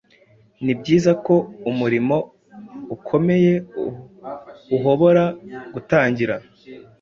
Nibyiza ko umurimo ukomeye uhobora gutangira